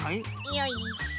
よいしょ。